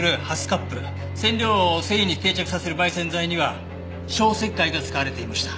染料を繊維に定着させる媒染剤には消石灰が使われていました。